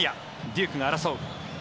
デュークが争う。